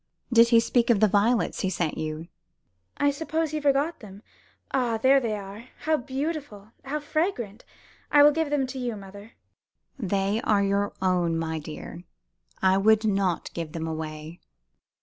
Did he speak of the violets he sent you?" "I suppose he forgot them. Ah, there they are! How beautiful! How fragrant! I will give them to you, mother." "They are your own, my dear. I would not give them away."